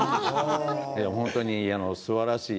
本当にすばらしい。